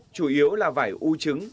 chủ yếu là vải u trứng